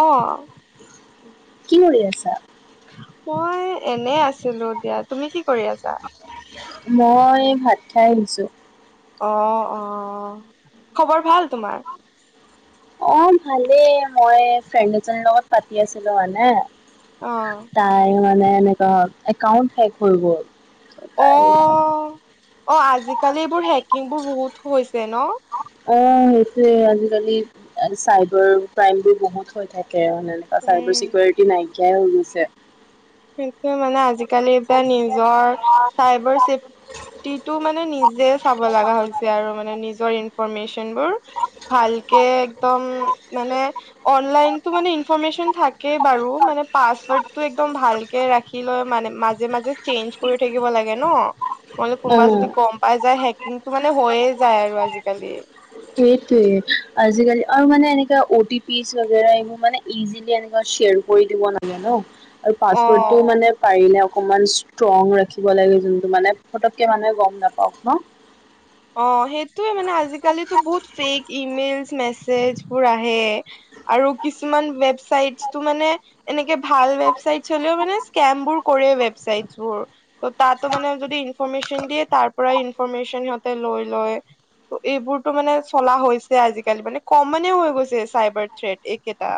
অ'। কি কৰি আছা? মই এনে আছিলোঁ দিয়া। তুমি কি কৰি আছা? মই ভাত খাই আছোঁ। অ', অ', খবৰ ভাল তোমাৰ? অ', ভালেই মই ফ্ৰেণ্ড এজনীৰ লগত পাতি আছিলোঁ মানে অ',। তাইৰ মানে এনেকুৱা একাউন্ট হেক হৈ গ'ল অ তাই অ', আজিকালি এইবোৰ হেকিং বোৰ বহুত হৈছে ন। অ', হৈছে আজিকালি চাইবাৰ ক্ৰাইম বি বহুত হৈ থাকে মানে। চাইবাৰ উম চিকিউৰিটি নাইকিয়াই হৈ গৈছে। সেইটো মানে আজিকালি এতিয়া নিজৰ চাইবাৰ চেফটি টিতো মানে নিজে চাব লাগা হৈছে আৰু মানে নিজৰ ইনফৰ্মেচন বোৰ ভালকে একদম মানে অনলাইনতো মানে ইনফৰ্মেচন থাকেই বাৰু মানে পাছৱৰ্ডটো একদম ভাল কে ৰাখিলৈ মানে মাজে মাজে চেঞ্জ কৰি থাকিব লাগে ন' নহ'লে কুনবা যদি অ' গম পাই যায় হেকিংটো মানে হৈয়ে যায় আৰু আজিকালি। সেইটোৱে আজিকালি আৰু মানে এনেকাে অ টি পি [unintelligible] এইবোৰ মানে ইজিলি এনেকুৱা শ্বেয়াৰ কৰি দিব নালাগে ন' আৰু পাছৱৰ্ডটো অ মানে পাৰিলে অকমান ষ্ট্ৰং ৰাখিব লাগে যোনটো মানে পতককে মানুহে গম নাপাওক ন। অ', সেইটোয়ে মানে আজিকালিতো বহুত ফেক ইমেইল মেছেজবোৰ আহে। আৰু কিছুমান ৱেবচাইটটো মানে এনেকে ভাল ৱেবছাইটচ হ'লেও মানে স্কেমবোৰ কৰে ৱেবছাইটচবোৰ ত' তাতো মানে যদি ইনফৰ্মেচন দিয়ে তাৰ পৰাই ইনফৰ্মেচন সিহঁতে লৈ লয়। ত' এইবোৰতো মানে চলা হৈছে আজিকালি মানে ক'মনে হৈ গৈছে চাইবাৰ থ্ৰেট এইকেইটা।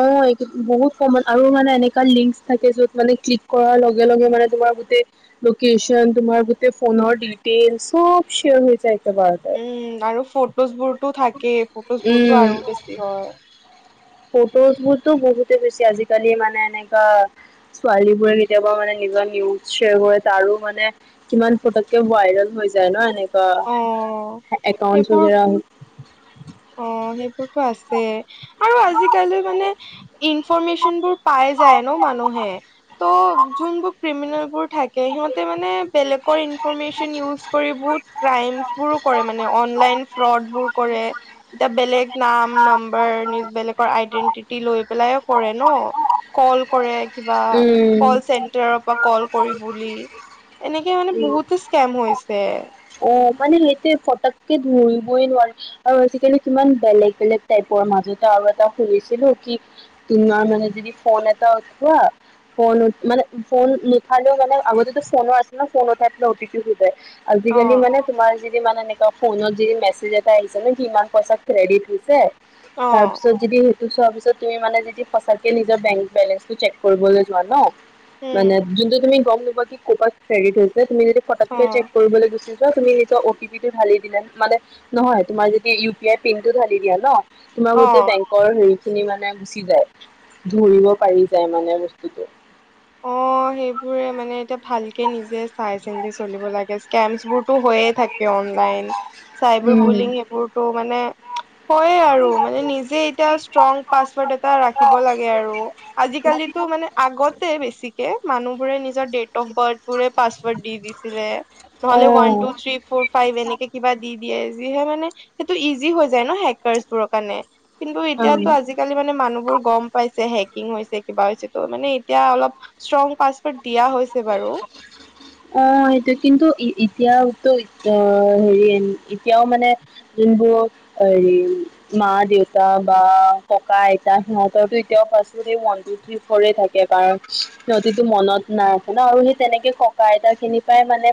অ', বহুত কমন আৰু মানে এনেকা লিংকচ থাকে যত মানে ক্লিক কৰাৰ লগে লগে মানে তোমাৰ গোটেই লোকেশ্যন তোমাৰ গোটেই ফনৰ ডিটেইল চব শেয়াৰ হৈ যায়। একেবাৰতে উম, আৰু ফটোজ বোৰটো থাকেই ফটোজ বোৰটো আৰু বেছি হয়। ফটোচ বোৰতো বহুতে হৈছে আজিকালি মানে এনেকা ছোৱালীবোৰে কেতিয়াবা মানে নিজৰ নিউডজ শ্বেয়াৰ কৰে তাৰো মানে কিমান ফটককে ভাইৰেল হৈ যায় ন' অ এনেকুৱা একাউণ্টছ সেইবোৰ ৱাগেৰা [inaudible] অ', সেইবোৰতো আছে আৰু আজিকালি মানে ইনফৰ্মেচন বোৰ পাই যায় ন' মানুহে। ত' যোনবোৰ ক্ৰিমিনেলবোৰ থাকে সিহঁতে মানে বেলেগ ইনফৰ্মেচন ইউজ কৰি বহুত ক্ৰাইমচ বোৰো কৰে মানে অনলাইন ফ্ৰড বোৰ কৰে। এতিয়া বেলেগ নাম নম্বৰ নি বেলেগৰ আইডেন্টিটি লৈ পেলাই কৰে ন'। কল কৰে। কিবা উম কল চেন্টাৰৰ পৰা কল কৰি বুলি, এনেকে মানে বহুতে স্কেম হৈছে। অ', মানে সেইটোৱে ফটককে ধৰিবই নোৱাৰি। আৰু আজিকালি কিমান বেলেগ বেলেগ টাইপৰ মাজতে আৰু এটা শুনিছিলোঁ কি তোমাৰ মানে যদি ফোন এটা উঠোৱা ফোনত মানে ফোন নুথালেও মানে আগতে ফোনো আছে ন' ফোন উঠাই অটি পি সুধে। [inaudible] অ আজিকালি মানে তোমাৰ যি যি মানে এনেকুৱা ফোনত যে মেছেজ এটা আহিছে কিমান পইচা ক্ৰেডিট হৈছে অ তাৰপিছত সেইটো চোৱাৰ পিছত তুমি মানে যদি সঁচাকে নিজৰ বেংক বেলেঞ্চটো চেক কৰিবলৈ যোৱা ন'? মানে উম যোনটো তুমি গম নোপোৱা কি ক'ৰ পৰা ক্ৰেডিট হৈছে তুমি যদি অ ফটককে চেক কৰিবলৈ গুচি যো তুমি নিজ অ টি পি ঢালি দিলে, মানে নহয় তোমাৰ যদি ইউ পি আই পিন টো ঢালি দিয়া ন' তোমাৰ গোতেই অ বেং হেৰি খিনি মানে গুচি যায়, ধৰিব পাৰি যায় মানে বস্তুটো। অ', সেইবোৰে মানে, এতিয়া ভালকে নিজে চাই চিন্তি চলিব লাগে স্কেমচবোৰ টো হৈয়ে থাকে অনলাইন, চাইবাৰ উম বুলিং সেবোৰতো মানে হয়ে আৰু মানে নিজে এতিয়া ষ্ট্ৰং পাছৱৰ্ড এটা ৰাখিব লাগে আৰু। আজিকালিতো মানে আগতে বেছিকে মানুহবোৰে নি জৰ ডেট অফ বাৰ্থবোৰে পাছৱৰ্ড দি দিছিলে, অ নহ'লে one two three four five এনেকে কিবা দি দিয়ে, যিহে মানে সেইটো ইজি হৈ যায় ন, হেকাৰ্চবোৰৰ কাৰণে। কিন্তু এতিয়াতো অ আজিকালি মানে মানুহবোৰ গম পাইছে হেকিং হৈছে কিবা হৈছে ত' মানে এতিয়া অলপ ষ্ট্ৰং পাছৱৰ্ড দিয়া হৈছে বাৰু। অ', সেইটো কিন্তু এতিয়াতো আহ, হেৰি এতিয়াও মানে যোনবোৰক হেৰি মা দেউতা বা ককা আইতা সিহঁতৰো এতিয়াও পাছৱৰ্ড ওওৱান টু থ্ৰী ফ'ৰে থাকে কাৰণ সিহতিটো মনত নাৰাখে ন আৰু সেই তেনেকে ককা আইতাখিনিৰ পাই মানে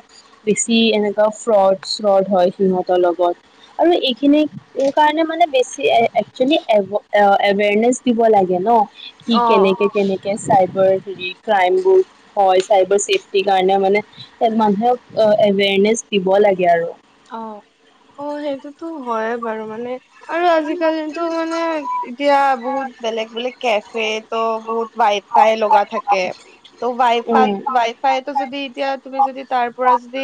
বেছি এনেকুৱা ফ্ৰড- চ্ৰড হয়, সিহঁতৰ লগত। আৰু এইখিনি [unintelligible] মানে বেছি এক-একচুৱেলি এৱেৰনেচ দিব লাগে ন, কি অ কেনেকে, কেনেকে চাইবাৰ হেৰি ক্ৰাইম বোৰ হয় চাইবাৰ চেফটিৰ কাৰণে মানে, মানুহক এৱেৰনেছ দিব লাগে আৰু। অ', অ', সেইটোতো হয়ে বাৰু মানে আৰু আজিকালিতো মানে এতিয়া বহুত বেলেগ, বেলেগ কেফে তো বহুত ৱাইফাই লগা থাকে ত' ৱাইফাত-ৱাইফাইতটো যদি এতিয়া তুমি যদি তাৰ পৰা যদি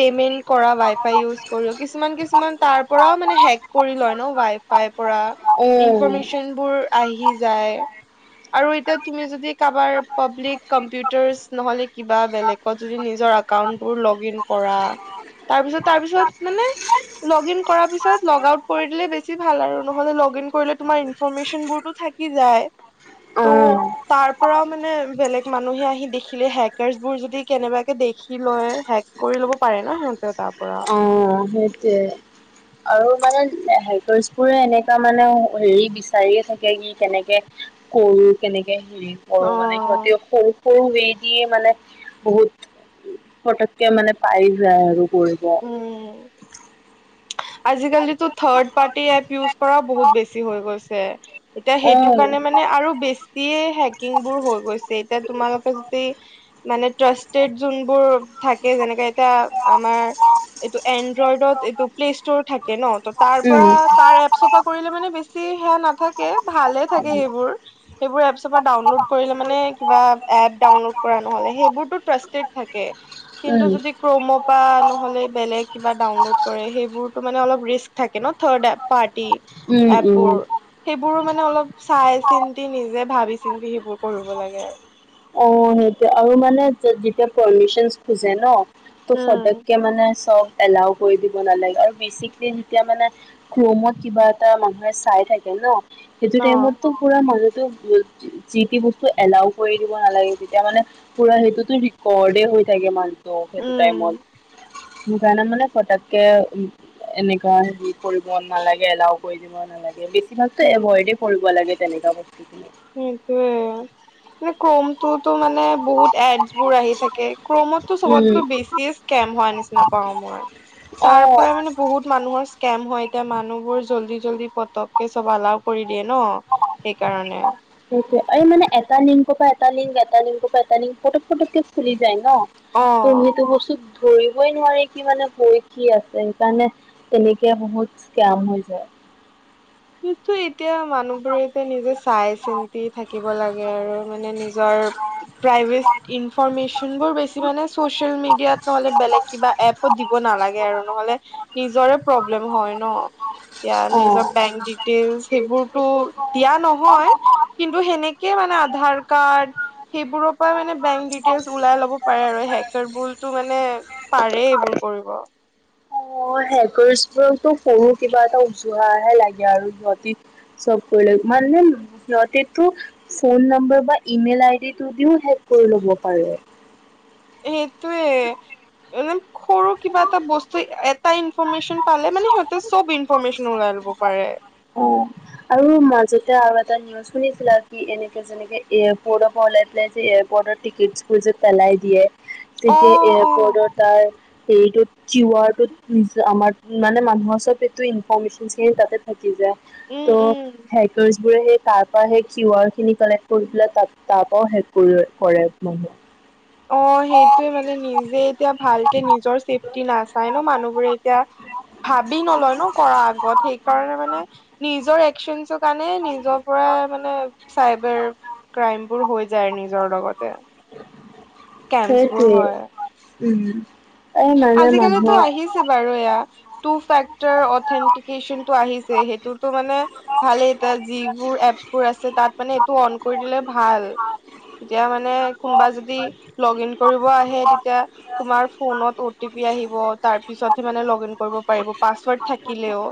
পেমেন্ট কৰা ৱাই ফাই ইউজ কৰোঁ কিছুমান, কিছুমান তাৰ পৰাও মানে হেক কৰি লয় ন, ৱাইফাইৰ পৰা। ইনফৰমেশচনবোৰ আহি যায়। আৰু এতিয়া তুমি যদি কাৰোবাৰ পাব্লিক কম্পিউটাৰছ নহ'লে কিবা বেলেগ ত নিজৰ একাউণ্টবোৰ যদি লগ ইন কৰা তা তাৰপিছত মানে লগ ইন কৰাৰ পিছত লগ আউট কৰি দিলে বেছি ভাল আৰু নহ'লে লগ ইন কৰিলে তোমাৰ ইনফৰমেশনবোৰতো থাকি যায়, ত' অ', তাৰ পৰাও মানে বেলেগ মানুহে আহি দেখিলে হেকাৰছবোৰ যদি কেনেবাকে দেখি লয়, হেক কৰি ল'ব পাৰে ন' সিহঁতে তাক। অ', সেইটোৱে। [inaudible] আৰু মানে হেকাৰছবোৰে এনেকুৱা মানে হেৰি বিচাৰিয়ে থাকে কি কেনেকে কৰোঁ, কেনেকে হেৰি কৰোঁ অ মানে সিহতিও সৰু সৰু ৱে দি মানে বহুত পতকে মানে পাই যায় আৰু কৰি ব। উম। আজিকালিটো থাৰ্ড পাৰটি এপ ইউজ কৰা বহুত বেছি হৈ গৈছে। এতিয়া সেইটো অ', কাৰণে মানে আৰু বেছিয়ে হেকিংবোৰ হৈ গৈছে এতিয়া তোমালোকে যদি মানে ট্ৰাষ্টেড যোনবোৰ থাকে, যেনেকে এতিয়া আমাৰ এইটো এনড্ৰইডত এইটো প্লেষ্টৰ থাকে ন ত' তাৰ উম। পৰা তাৰ এপছপ কৰিলে মানে বেছি সেয়া নাথাকে, ভালে থাকে সেইবোৰ এপচ ডাউনলড কৰিলে মানে কিবা এপ ডাউনলড কৰা নহ'লে সেইবোৰটো ট্ৰাষ্টেদ থাকে। কিন্তু যদি ক্ৰ'ম' পৰা নহ'লে বেলেগ কিবা ডাউনলোড কৰে, সেইবোৰতো মানে অলপ ৰিস্ক থাকে ন' third app. Party um, um, এপবোৰ। উম। সেইবোৰো মানে অলপ চাই চিন্তি, নিজে ভাবি চিন্তি সেইবোৰ কৰিব লাগে আৰু। অ', সেইটো আৰু মানে যেতিয়া পাৰ্মিচনচ খুজে ন ত' ফটকে উম মানে চব এলাও কৰি দিব নালাগে আৰু বেছিকে যেতিয়া মানে ক্ৰমত কিবা এটা মানুহে চাই থাকে ন! সেইটো অ টাইমতটো [unintelligible] যি বস্তু এলাও কৰি দিব নালাগে, তেতিয়া মানে পুৰা সেইটোতো ৰিকৰ্ডে হৈ থাকে মানুহটো সেইটো উম টাইমত। সেইকাৰণে মানে ফটকে উম, এনেকুৱা হেৰি কৰিব নালাগে এলাও কৰি দিব নালাগে, বেছিভাগ উম এভইডে কৰিব লাগে তেনেকুৱা বস্তুখিনি। সেইটোয়ে মানে ক্ৰমতটোতো মানে বহুত এডছ বোৰ আহি থাকে ক্ৰমত টো চবতকৈ উম বেছিয়ে স্কেম হোৱাৰ নিচিনা পাওঁ মই। তাৰ অ পৰা মানে বহুত মানুহৰ স্কেম হয়, এতিয়া মানুহবোৰ জল্দি জল্দি পতককে চব আলাও কৰি দিয়ে ন' সেইকাৰণে। এই মানে এটা লিংকৰ পৰা এটা লিংক, এটা লিংকৰ পৰা এটা লিংক, পটক পটকে খুলি যায় ন' ত' অ সেইটো বস্তুত ধৰিবই নোৱাৰি কি মানে হৈ কি আছে সেইকাৰণে তেনেকে বহুত স্কেম হৈ যায়। সিটো এতিয়া মানুহ বোৰে এতিয়া নিজে চাই চিন্তি থাকিব লাগে আৰু মানে নিজে নিজৰ প্ৰাইভেট ইনফৰ্মেচনবোৰ বেছি মানে চচিয়েল মিডিয়াত নহলে বেলেগ কিবা এপত দিব নালাগে আৰু নহলে নিজৰে প্ৰব্লেম হয় ন' এতিয়া নিজৰ অ'। এণ্ড ডিটেইলছ সেইবোৰটো দিয়া নহয় কিন্তু সেনেকে মানে আধাৰ কাৰ্ড সেইবোৰৰ পৰা মানে বেংক ডিটেইলছ ওলাই লব পাৰে আৰু হেকাৰবোৰতো মানে পাৰে এইবোৰ কৰিব হেকাৰ্চ বোৰকটো সৰু কিবা এটা উজুহাহে লাগে আৰু সিহঁতি চব কৰিলে মানে সিহঁতেতো ফোন নম্বৰ বা ইমেইল আইডিটো দিও হেক কৰি লব পাৰে। সেইটোৱে মানে সৰু কিবা এটা বস্তু, এটা ইনফৰ্মেশ্বন পালে মানে সিহঁতে চব ইনফৰ্মেশ্বন ওলাই ল'ব পাৰে। অ', আৰু মাজতে আৰু এটা নিউজ শুনিছিলাঁ কি এনেকে যে এনেকে এয়াৰপৰ্টতৰ পৰা উলাই পেলাই যে এয়াৰপৰ্টতৰ টিকেটচ বোৰ যে পলাই দিয়ে। তেতিয়া অ', অ', এয়াৰপৰ্টৰ তাৰ হৰিটোত কিউ আৰ টুত আমাৰ মানে মানুহৰ চব এইটো ইনফৰ্মেশ্বন খিনিও তাতে থাকি যায়। উম, ত' উম। হেকাৰ বোৰে সেই তাৰ পৰা সেই কিউ আৰ খিনি কালেক্ট কৰি পেলাই ত' তাৰ পৰা হেক কৰি লৈ কৰে মানে। অ', সেইটোৱে মানে নিজে এতিয়া ভালকে নিজৰ চেফটি নাচাই ন' মানুহবোৰে এতিয়া ভাবি নলয় ন' কৰা আগত সেইকাৰণে মানে নিজৰ এক্সনছ কাৰণে নিজৰ পৰা মানে চাইবাৰ ক্ৰাইম বোৰ হৈ যায় নিজৰ লগতে। স্কেমছ বোৰ সেইটোৱে হয়। উম, এই মানে আজিকালিতো মানুহৰ আহি বাৰু এয়া, টু ফেক্টৰ অথেনটিকেচনটো আহিছে সেইটোটো মানে ভালে এতিয়া যিবোৰ এপছবোৰ আছে তাত মানে এইটো অন কৰি দিলে ভাল। তেতিয়া মানে কোনবা যদি লগ ইন কৰিব আহে তেতিয়া তোমাৰ ফোনত অ'টি পি আহিব তাৰ পিছতহে মানে লগ ইন কৰিব পাৰিব পাছৱৰ্ড থাকিলেও।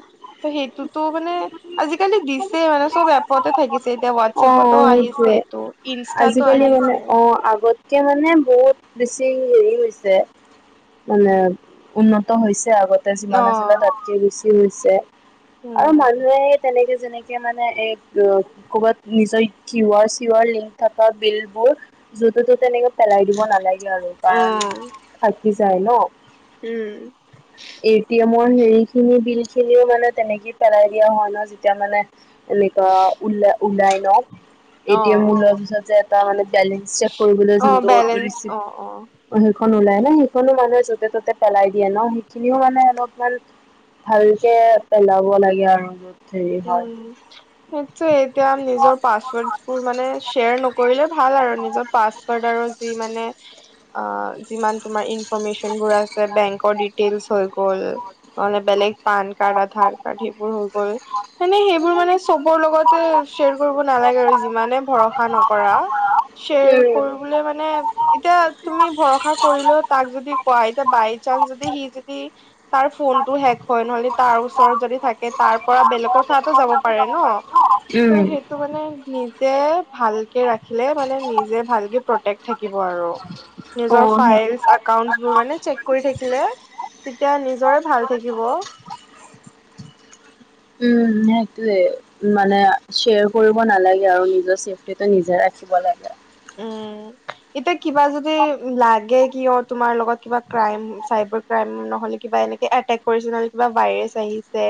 ত' সেইটোতো মানে আজিকালি দিছে মানে চব এপ তে থাকিছে এতিয়া অ', হোৱাটছেপতো আহিছে সেইটোৱে এইটো ইনষ্টাতো আহিছে। আগত কে মানে বহুত বেছি হেৰি হৈছে মানে উন্নত হৈছে আগত তে যিমান অ আছিলে তাতকে বেছি হৈছে আৰু উম মানুহে তেনেকে যেনেকে মানে এ অ, ক'বাত নিজৰ Q R Q R link থকা বিল বোৰ যতে ত'তে এনেকে পেলাই দিব নালাগে আৰু কাৰণ উম থাকি যায় ন'। উম, এটি এমৰ হেৰি খিনি বিল খিনিও মানে তেনেকে পেলাই দিয়া হয় ন' যেতিয়া মানে এনেকা ওল ওলাই লওঁ, এটি অ এম উলোৱাৰ পিছত যে তাৰমানে বেলেঞ্চ চেক কৰিবলৈ অ যোনটো বেলেঞ্চ অ অ ৰিচিপ্ট সেইখন ওলাই নে সেইখনো মানে য'তে ত'তে পেলাই দিয়ে ন' সেইখিনিও মানে অলপমান ভালকে পেলাব লাগে আৰামত। উম, সেইটোৱে এতিয়া নিজৰ পাছৱৰ্ড বোৰ মানে শ্বেয়াৰ নকৰিলে ভাল আৰু নিজক পাছৱৰ্ড আৰু যি মানে আ, যিমান তোমাৰ ইনফৰ্মেচনবোৰ আছে বেংকৰ ডিটেইলছ হৈ গ'ল নহলে বেলেগ পান কাৰ্ড, আধাৰ কাৰ্ড সেইবোৰ হৈ গ'ল। এনেই সেইবোৰ মানে চবৰ লগতে শ্বেয়াৰ কৰিব নালাগে আৰু যিমানে ভৰসা নকৰা। শ্বেয়াৰ উম। উম কৰিবলৈ মানে এতিয়া তুমি ভৰসা কৰিলেও তাক যদি কোৱা এতিয়া বাই চান্স যদি সি যদি তাৰ অ ফোনটো হেক হয়, নহলে তাৰ ওচৰত সেইটো। যদি থাকে তাৰ পৰা বেলেগ কথাতো যাব পাৰে ন' ত' সেই টো মানে নিজে ভালকে ৰাখিলে মানে নিজে ভালকে প্ৰটেক থাকিব আৰু। নিজৰ ফাইল একাউন্টচ বোৰ মানে চেক কৰি থাকিলে, তেতিয়া নিজৰে ভাল থাকিব। উম, সেইটোয়ে মানে শ্বেয়াৰ কৰিব নালাগে আৰু নিজৰ সেটো নিজে ৰাখিব লাগে। উম, এতিয়া কিবা যদি লাগে কিয় তোমাৰ লগত কিবা ক্ৰাইম চাইবাৰ ক্ৰাইম নহলে কিবা এনেকে এটেক কৰিছে নহলে কিবা ভাইৰেচ আহিছে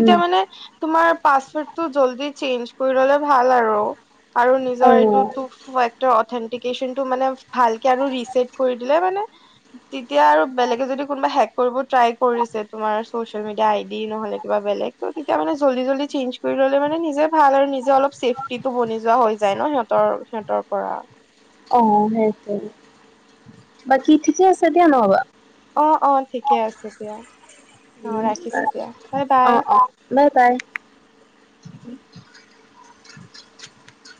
উম। মানে তোমাৰ পাচৱৰ্ডটো জল্দি চেঞ্জ কৰি ললে ভাল আৰু। আৰু অ নিজৰ এইটো হয়টো অথেনটিকেচনটো মানে ভালকে আৰু ৰিছেট কৰি দিলে মানে তেতিয়া আৰু বেলেগে যদি কোনোবাই হেক কৰিব ট্ৰাই কৰিছে তুমাৰ চচিয়েল মিডিয়া আইডি নহলে কিবা বেলেগ ত' তেতিয়াহলে মানে জল্দি জল্দি চেঞ্জ কৰি ল'লে মানে নিজে ভাল আৰু নিজে অলপ চেফটি টো বনি যোৱা হৈ যায় ন সিহঁত তৰ, সিহঁতৰ পৰা। অ', সেইটোৱে বাকী ঠিকে আছে দিয়া নহ'বা। অ', অ', ঠিকে আছে দিয়া অ, ৰাখিছোঁ দিয়া বাই বাই। অ', অ', বাই বাই।